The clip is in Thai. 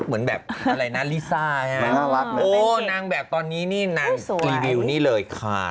เหมือนแบบอัลลิซ่าโอ้นางแบบตอนนี้นี่นางรีวิวนี่เลยค่ะ